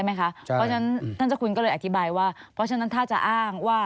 เพราะฉะนั้นท่านเจ้าคุณก็เลยอธิบายว่าเพราะฉะนั้นถ้าจะอ้างว่า